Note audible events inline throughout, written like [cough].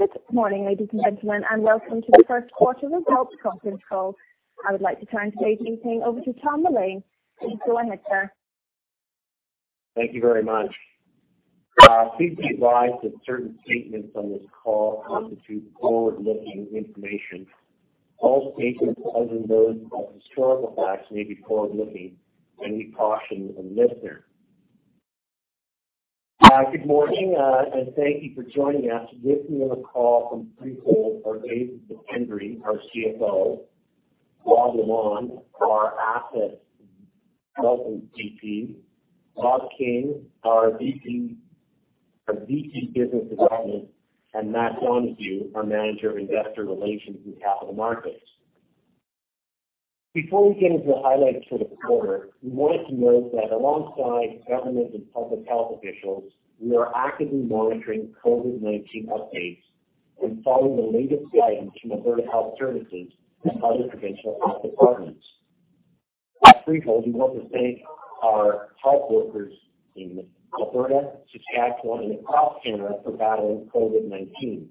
Good morning, ladies and gentlemen, and welcome to the first quarter results conference call. I would like to turn today's meeting over to Tom Mullane. Please go ahead, sir. Thank you very much. Please be advised that certain statements on this call constitute forward-looking information. All statements other than those about historical facts may be forward-looking, and we caution the listener. Good morning, and thank you for joining us. With me on the call from Freehold are David Hendry, our CFO, Rob Lamond, our Asset Development VP, Rob King, our VP of Business Development, and Matt Donohue, our Manager of Investor Relations and Capital Markets. Before we get into the highlights for the quarter, we wanted to note that alongside government and public health officials, we are actively monitoring COVID-19 updates and following the latest guidance from Alberta Health Services and other provincial health departments. At Freehold, we want to thank our health workers in Alberta, Saskatchewan, and across Canada for battling COVID-19.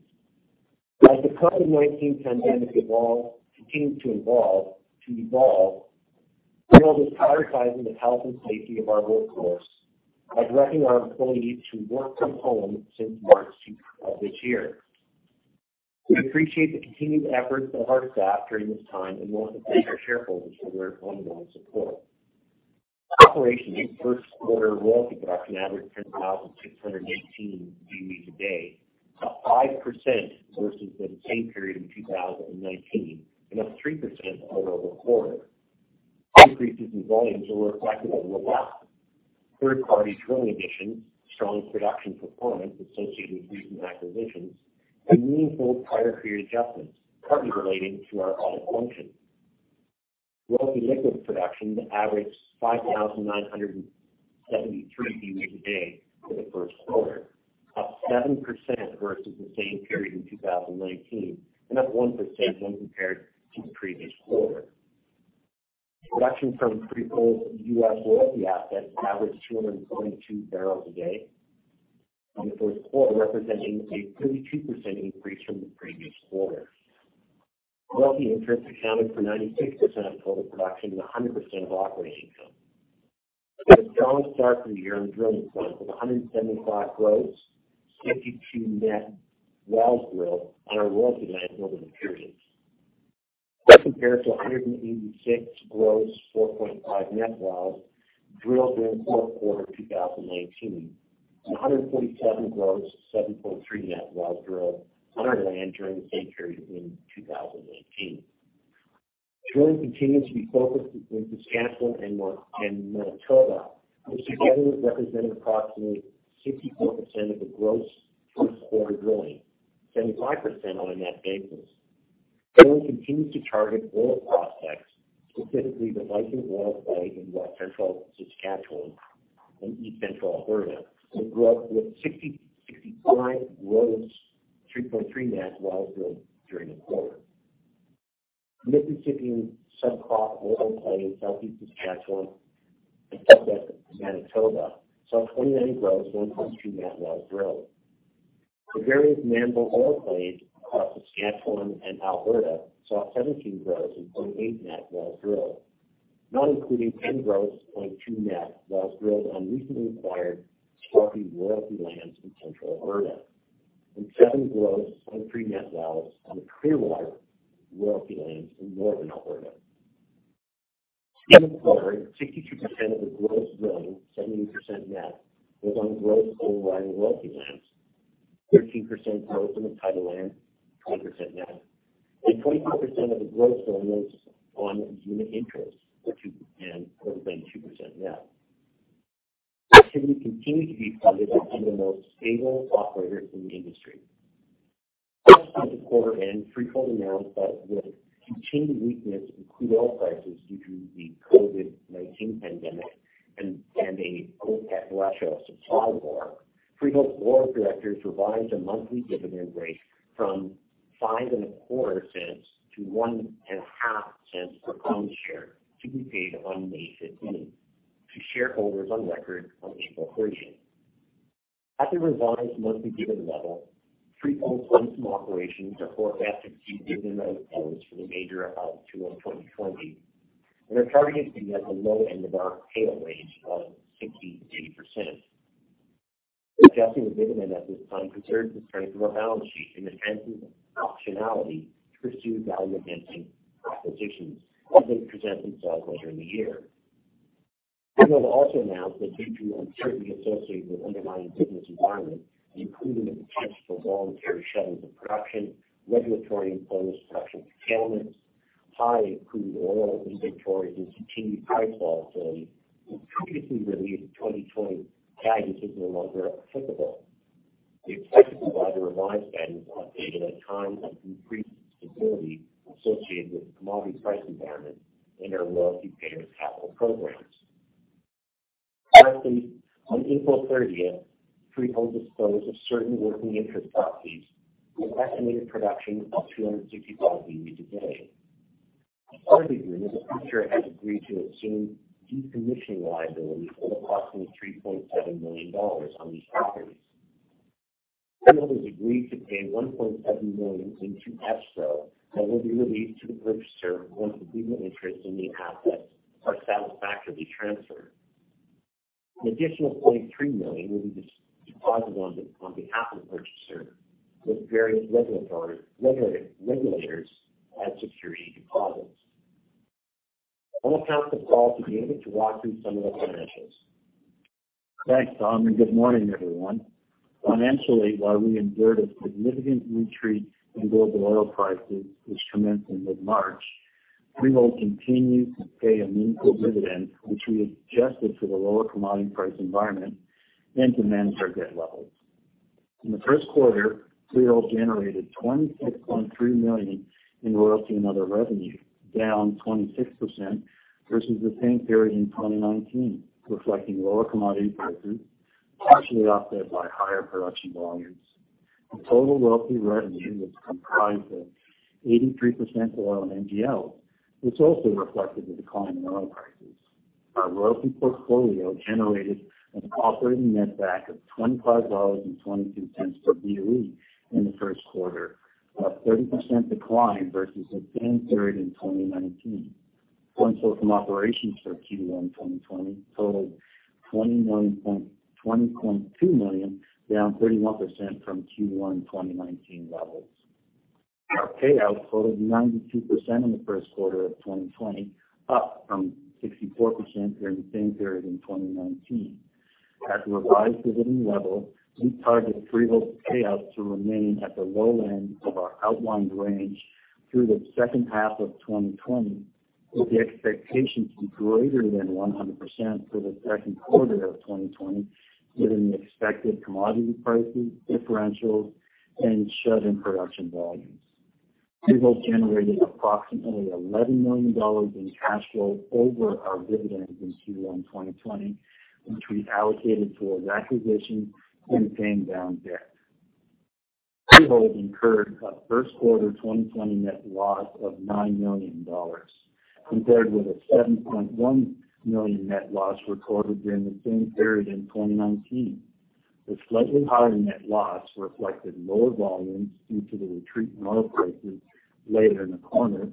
As the COVID-19 pandemic continues to evolve, Freehold is prioritizing the health and safety of our workforce by directing our employees to work-from-home since March of this year. We appreciate the continued efforts of our staff during this time and want to thank our shareholders for their ongoing support. Operation's first quarter royalty production averaged 10,618 BOE/d, up 5% versus the same period in 2019 and up 3% over the quarter. Increases in volumes were reflected on robust third-party drilling additions, strong production performance associated with recent acquisitions, and meaningful prior period adjustments, partly relating to our audit function. Royalty liquids production averaged 5,973 BOE/d for the first quarter, up 7% versus the same period in 2019 and up 1% when compared to the previous quarter. Production from Freehold's U.S. royalty assets averaged 222 BOE/d in the first quarter, representing a 32% increase from the previous quarter. Royalty interest accounted for 96% of total production and 100% of operating income. We had a solid start to the year on the drilling front, with 175 gross, 62 net wells drilled on our royalty lands over the period. That compares to 186 gross, 4.5 net wells drilled in fourth quarter 2019 and 147 gross, 7.3 net wells drilled on our land during the same period in 2018. Drilling continues to be focused in Saskatchewan and Manitoba, which together represented approximately 64% of the gross first quarter drilling, 75% on a net basis. Drilling continues to target oil prospects, specifically the Viking oil play in West Central Saskatchewan and East Central Alberta, with 65 gross, 3.3 net wells drilled during the quarter. The Mississippian Subcrop oil play in Southeast Saskatchewan and Southwest Manitoba saw 29 gross, 1.3 net wells drilled. The various Mannville oil plays across Saskatchewan and Alberta saw 17 gross and 0.8 net wells drilled. Not including 10 gross, 0.2 net wells drilled on recently acquired Sparky royalty lands in Central Alberta and 7 gross, 0.3 net wells on the Clearwater royalty lands in Northern Alberta. In the quarter, 62% of the gross drilling, 70% net, was on gross overriding royalty lands, 13% gross on the title land, 20% net, and 25% of the gross drilling was on unit interest, and 22% net. Activity continues to be funded under the most favorable operating terms in the industry. Last month at quarter end, Freehold announced that with continued weakness in crude oil prices due to the COVID-19 pandemic and an OPEC Russia supply war, Freehold's Board of Directors revised the monthly dividend rate from 0.0525 to 0.015 per common share to be paid on May 15th to shareholders on record on April 30th. At the revised monthly dividend level, Freehold's netback operations are forecasted to keep dividend outflows for the remainder of 2020 and are targeting to be at the low end of our payout range of 60%-80%. Adjusting the dividend at this time preserves the strength of our balance sheet and enhances optionality to pursue value-enhancing acquisitions as they present themselves later in the year. Freehold also announced that due to uncertainty associated with underlying business environment, including the potential voluntary shut-ins of production, regulatory-imposed production curtailments, high crude oil inventories, and continued price volatility, the previously released 2020 guidance is no longer applicable. We expect to provide a revised guidance update in a time of increased stability associated with commodity price environment and our royalty payers' capital programs. Lastly, on April 30th, Freehold disposed of certain working interest properties with estimated production of about 265 BOE/day. As part of the agreement, the purchaser has agreed to assume decommissioning liabilities totaling approximately 3.7 million dollars on these properties. Freehold has agreed to pay 1.7 million into escrow that will be released to the purchaser once the legal interests in the assets are satisfactorily transferred. An additional 0.3 million will be deposited on behalf of the purchaser with various regulators as security deposits. I'll now pass the call to David to walk through some of the financials. Thanks, Tom, and good morning, everyone. Financially, while we endured a significant retreat in global oil prices, which commenced in mid-March, Freehold continued to pay a meaningful dividend, which we adjusted for the lower commodity price environment and to manage our debt levels. In the first quarter, Freehold generated 26.3 million in royalty and other revenue, down 26% versus the same period in 2019, reflecting lower commodity prices, partially offset by higher production volumes. Our total royalty revenue was comprised of 83% oil and NGL, which also reflected the decline in oil prices. Our royalty portfolio generated an operating netback of 25.22 dollars per BOE in the first quarter, a 30% decline versus the same period in 2019. Funds from operations for Q1 2020 totaled 20.2 million, down 31% from Q1 2019 levels. Our payout totaled 92% in the first quarter of 2020, up from 64% during the same period in 2019. At the revised dividend level, we target Freehold's payout to remain at the low end of our outlined range through the second half of 2020, with the expectation to be greater than 100% for the second quarter of 2020, given the expected commodity prices, differentials, and shut-in production volumes. Freehold generated approximately 11 million dollars in cash flow over our dividends in Q1 2020, which we allocated towards acquisitions and paying down debt. Freehold incurred a first quarter 2020 net loss of 9 million dollars, compared with a 7.1 million net loss recorded during the same period in 2019. The slightly higher net loss reflected lower volumes due to the retreat in oil prices later in the quarter,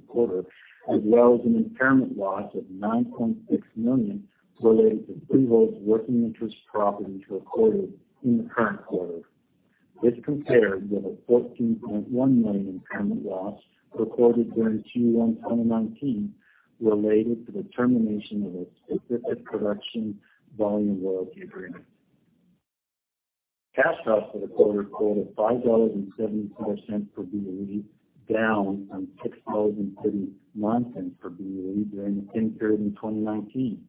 as well as an impairment loss of 9.6 million related to Freehold's working interest properties recorded in the current quarter. This compared with a 14.1 million impairment loss recorded during Q1 2019, related to the termination of a specific production volume royalty agreement. Cash cost for the quarter totaled 5.74 per BOE, down from 6.39 dollars per BOE during the same period in 2019.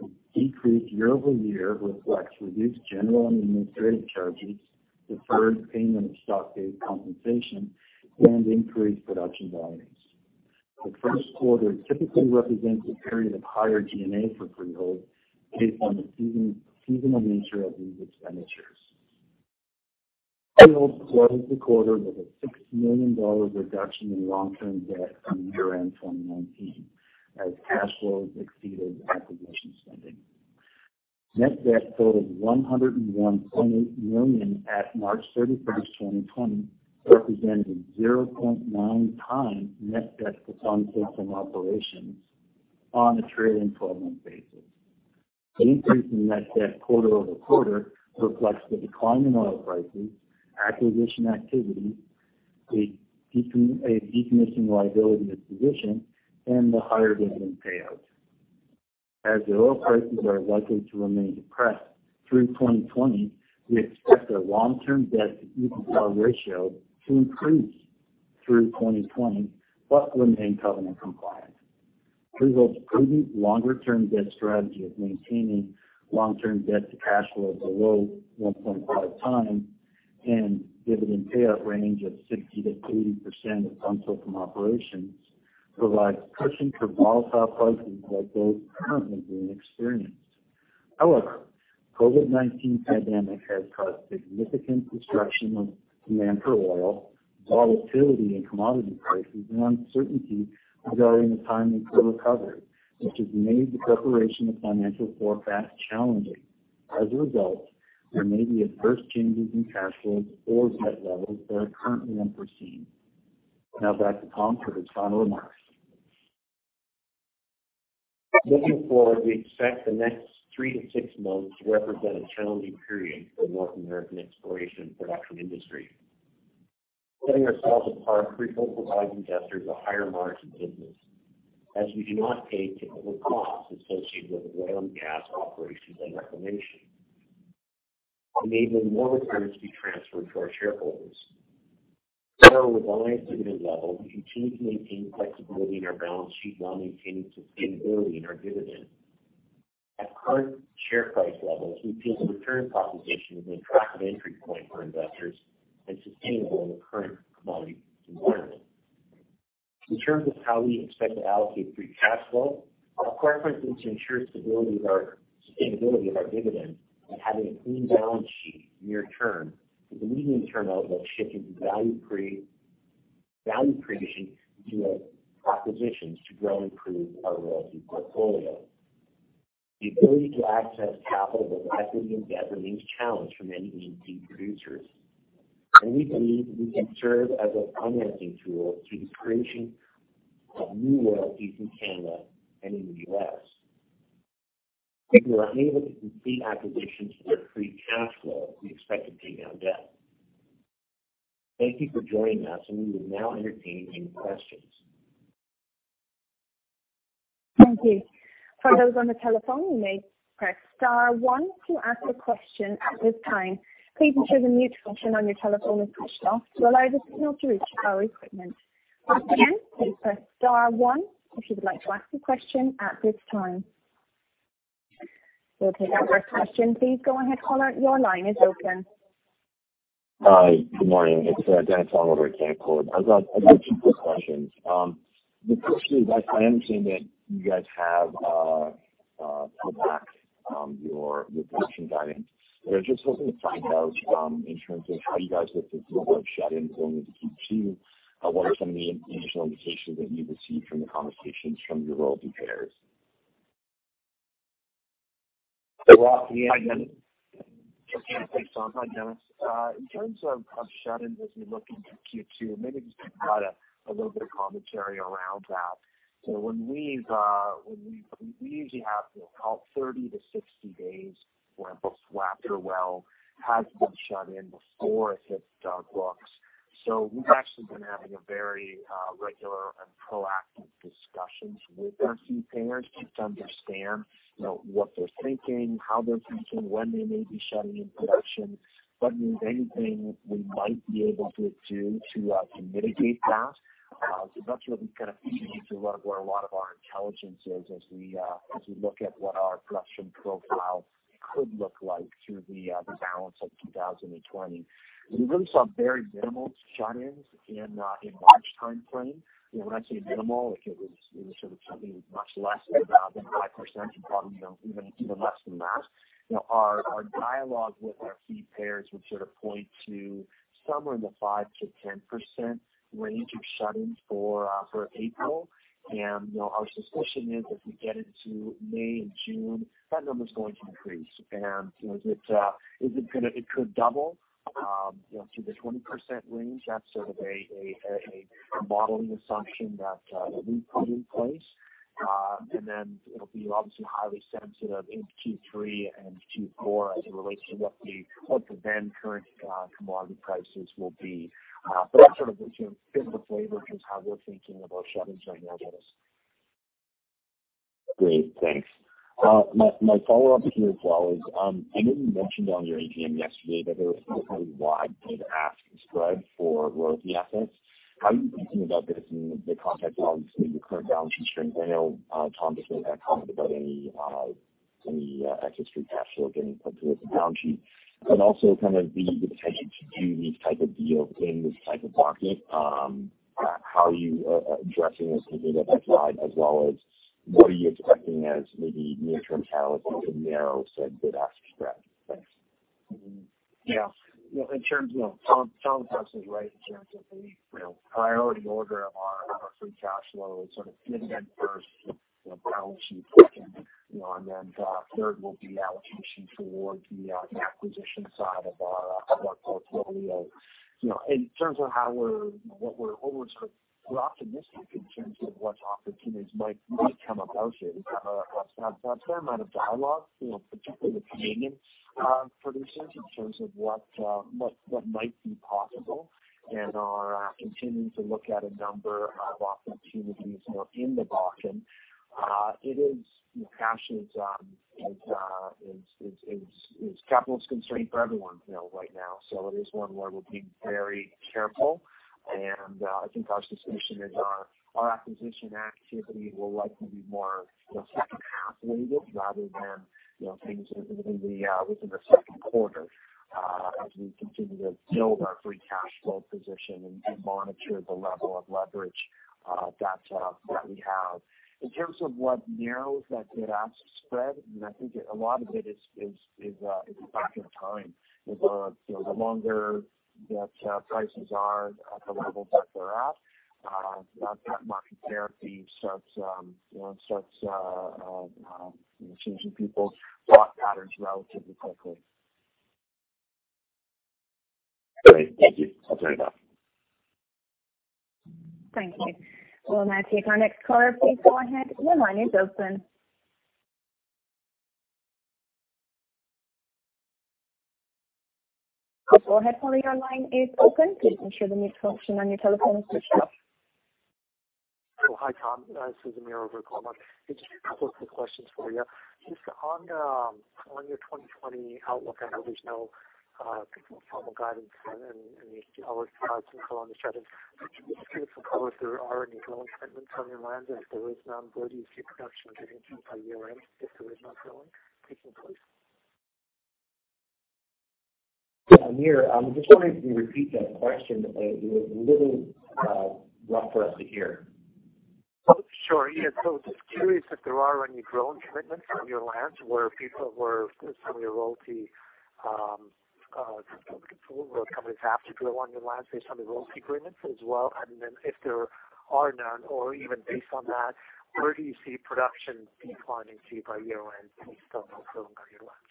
The decrease year-over-year reflects reduced general and administrative charges, deferred payment of stock-based compensation, and increased production volumes. The first quarter typically represents a period of higher G&A for Freehold, based on the seasonal nature of these expenditures. Freehold closed the quarter with a 6 million dollar reduction in long-term debt from year-end 2019, as cash flows exceeded acquisition spending. Net debt totaled CAD 101.8 million at March 31st, 2020, representing 0.9x net debt to funds based on operations on a trailing 12-month basis. The increase in net debt quarter-over-quarter reflects the decline in oil prices, acquisition activity, a decommissioning liability acquisition, and the higher dividend payout. The oil prices are likely to remain depressed through 2020, we expect our long-term debt to EBITDA ratio to increase through 2020 but remain covenant compliant. Freehold's prudent longer-term debt strategy of maintaining long-term debt to cash flow below 1.5x and dividend payout range of 60%-80% of funds from operations provides cushion for volatile prices like those currently being experienced. COVID-19 pandemic has caused significant destruction of demand for oil, volatility in commodity prices, and uncertainty regarding the timing for recovery, which has made the preparation of financial forecasts challenging. As a result, there may be adverse changes in cash flows or debt levels that are currently unforeseen. Now back to Tom for his final remarks. Looking forward, we expect the next three to six months to represent a challenging period for the North American exploration and production industry. Setting ourselves apart, Freehold provides investors a higher margin business, as we do not pay typical costs associated with oil and gas operations and reclamation, enabling more returns to be transferred to our shareholders. With our revised dividend level, we continue to maintain flexibility in our balance sheet while maintaining sustainability in our dividend. At current share price levels, we feel the return proposition is an attractive entry point for investors and sustainable in the current commodity environment. In terms of how we expect to allocate free cash flow. Our preference is to ensure stability of our sustainability of our dividend and having a clean balance sheet near term to the medium term outlook shifted to value creation through acquisitions to grow and improve our royalty portfolio. The ability to access capital with adequate in debt remains challenged for many E&P producers. We believe we can serve as a financing tool through the creation of new royalties in Canada and in the U.S. If we are unable to complete acquisitions with our free cash flow, we expect to pay down debt. Thank you for joining us, and we will now entertain any questions. Thank you. For those on the telephone, you may press star one to ask a question at this time. Please ensure the mute function on your telephone is pushed off to allow the signal to reach our equipment. Once again, please press star one if you would like to ask a question at this time. We'll take our first question. Please go ahead, caller. Your line is open. Hi, good morning. It's Dennis Fong over at Canaccord. I've got a few quick questions. The first is, I understand that you guys have pulled back your production guidance. Just looking to find out in terms of how you guys look at your shut-ins going into Q2, what are some of the initial indications that you received from the conversations from your royalty payers? Hey, Rob. Can you? [audio distortion] Sure can. Thanks Tom. In terms of shut-ins as we look into Q2, maybe just provide a little bit of commentary around that. We usually have about 30-60 days where after a well has been shut in before it hits our books. We've actually been having a very regular and proactive discussions with our key payers just to understand what they're thinking, how they're thinking, when they may be shutting in production, but is anything we might be able to do to mitigate that. That's really kind of feeding into where a lot of our intelligence is as we look at what our production profile could look like through the balance of 2020. We really saw very minimal shut-ins in March timeframe. When I say minimal, it was sort of something much less than 5% and probably even less than that. Our dialogue with our key payers would sort of point to somewhere in the 5%-10% range of shut-ins for April. Our suspicion is as we get into May and June, that number's going to increase. It could double to the 20% range. That's sort of a modeling assumption that we put in place. Then it'll be obviously highly sensitive in Q3 and Q4 as it relates to what the then current commodity prices will be. That sort of gives a flavor of just how we're thinking about shut-ins right now, Dennis. Great. Thanks. My follow-up here as well is, I know you mentioned on your AGM yesterday that there was still a pretty wide bid-ask spread for royalty assets. How are you thinking about this in the context of obviously your current balance sheet strength? I know Tom just made that comment about any excess free cash flow getting put to the balance sheet. Also kind of the appetite to do these type of deals in this type of market, how are you addressing this maybe that slide as well as what are you expecting as maybe near-term catalyst to narrow said bid-ask spread? Thanks. Yeah. Tom's assessment is right in terms of the priority order of our free cash flow is sort of dividend first, balance sheet second, and then third will be allocation toward the acquisition side of our portfolio. In terms of what we're sort of optimistic in terms of what opportunities might come about is we've had a fair amount of dialogue, particularly with Canadian producers, in terms of what might be possible and are continuing to look at a number of opportunities in the Bakken. It is, cash is, capital is constrained for everyone right now. It is one where we're being very careful. I think our suspicion is our acquisition activity will likely be more second half weighted rather than things within the second quarter as we continue to build our free cash flow position and monitor the level of leverage that we have. In terms of what narrows that bid-ask spread, and I think a lot of it is a function of time. The longer that prices are at the levels that they're at, that market therapy starts changing people's thought patterns relatively quickly. Great. Thank you. I'll turn it back. Thank you. We will now take our next caller. Please go ahead. Your line is open. Go ahead, caller. Your line is open. Please ensure the mute function on your telephone is pushed off. Hi, Tom. This is Amir over at Cormark. Just a couple quick questions for you. Just on your 2020 outlook, I know there's no formal guidance and I would be glad to follow on the strategy. Could you just give us some color if there are any drilling commitments on your lands? If there is none, where do you see production getting to by year end if there is not drilling taking place? Yeah, Amir, I'm just wondering if you could repeat that question. It was a little rough for us to hear. Sure, yeah. Just curious if there are any drilling commitments on your lands some of your royalty companies have to drill on your lands based on the royalty agreements as well. If there are none, or even based on that, where do you see production declining, say, by year-end based on no drilling on your lands?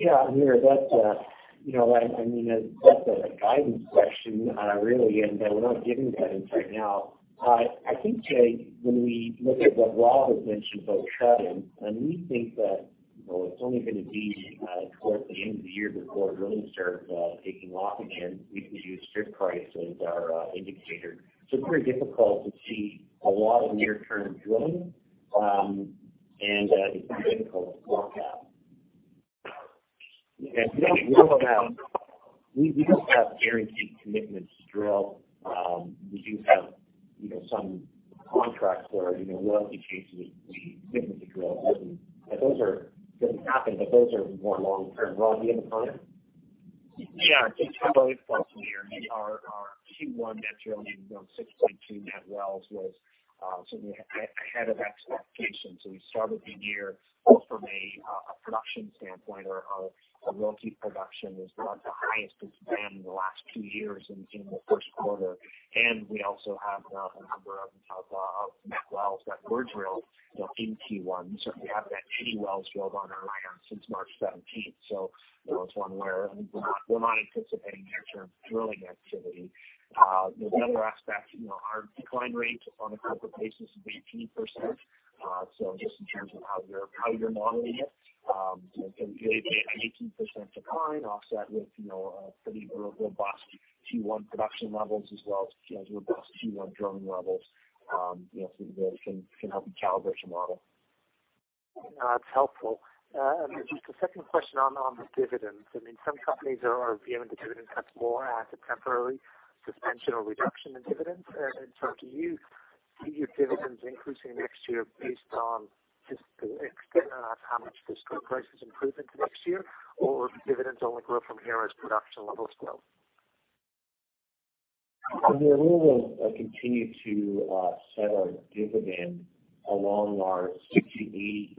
Yeah, Amir, that's a guidance question, really, and we're not giving guidance right now. I think, Jay, when we look at what Rob has mentioned about cutting, and we think that it's only going to be towards the end of the year before it really starts taking off again. We could use strip price as our indicator. It's very difficult to see a lot of near-term drilling, and it's very difficult to forecast. We don't have guaranteed commitments to drill. We do have some contracts where, in royalty cases, we commit them to drill. Those are going to happen, but those are more long-term. Rob, do you have a comment? Yeah. Just a couple of points, Amir. Our Q1 net drilling of 6.2 net wells was certainly ahead of expectations. We started the year well from a production standpoint or our royalty production was about the highest it's been in the last two years in the first quarter. We also have a number of net wells that were drilled in Q1. We haven't had any wells drilled on our land since March 17th. It's one where we're not anticipating near-term drilling activity. The other aspect, our decline rate on a corporate basis is 18%. Just in terms of how you're modeling it, an 18% decline offset with pretty robust Q1 production levels as well as robust Q1 drilling levels can help you calibrate your model. That's helpful. Just a second question on the dividends. Some companies are viewing the dividend cuts more as a temporary suspension or reduction in dividends. Do you see your dividends increasing next year based on how much the strip price is improving next year? Dividends only grow from here as production levels grow? Amir, we will continue to set our dividend along our 60%-80%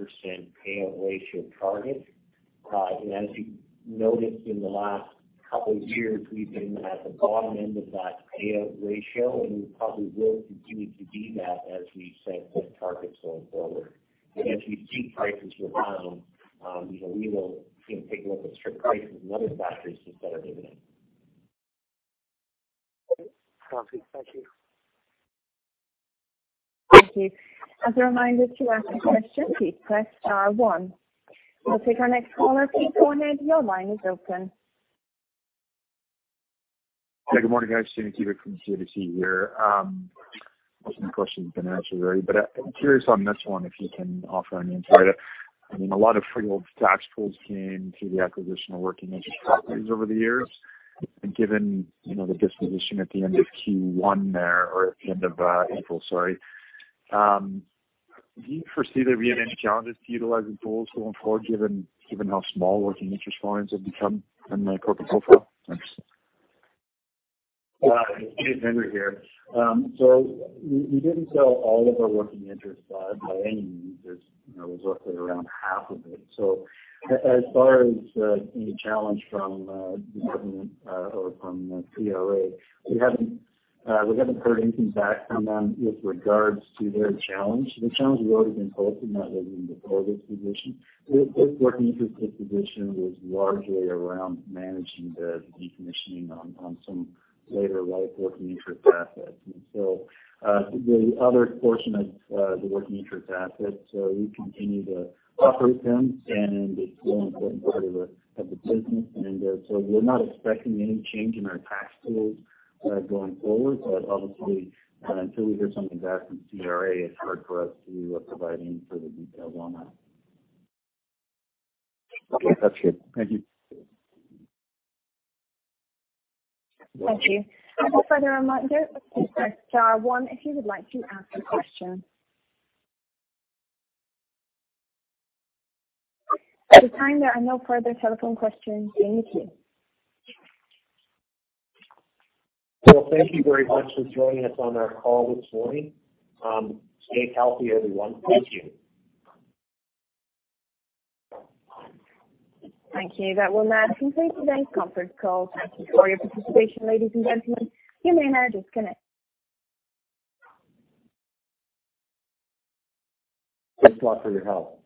payout ratio target. As you noticed in the last couple of years, we've been at the bottom end of that payout ratio, and we probably will continue to be that as we set those targets going forward. As we see prices rebound, we will take a look at strip prices and other factors to set our dividend. Copy. Thank you. Thank you. As a reminder, to ask a question, please press star one. We'll take our next caller. Please, go ahead, your line is open. Hey, good morning, guys. Jamie Kubik from CIBC here. Asking a question financially, but I'm curious on this one if you can offer an answer. A lot of Freehold's tax pools came through the acquisition of working interest properties over the years. Given the disposition at the end of Q1 there or at the end of April, sorry, do you foresee there being any challenges to utilizing pools going forward given how small working interest volumes have become in the corporate profile? Thanks. David Hendry. We didn't sell all of our working interest by any means. It was roughly around half of it. As far as any challenge from the government or from the CRA, we haven't heard anything back from them with regards to their challenge. The challenge has already been posted, not hidden before this position. This working interest disposition was largely around managing the decommissioning on some later life working interest assets. The other portion of the working interest assets, we continue to operate them, and it's still an important part of the business. We're not expecting any change in our tax pools going forward. Obviously, until we hear something back from CRA, it's hard for us to provide any further details on that. Okay. That's good. Thank you. Thank you. As a further reminder, please press star one if you would like to ask a question. At this time, there are no further telephone questions in the queue. Thank you very much for joining us on our call this morning. Stay healthy, everyone. Thank you. Thank you. That will now conclude today's conference call. Thank you for your participation, ladies and gentlemen. You may now disconnect. Thanks a lot for your help.